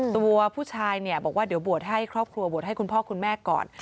ตัวผู้ชายเนี่ยบอกว่าเดี๋ยวบวชให้ครอบครัวบวชให้คุณพ่อคุณแม่ก่อน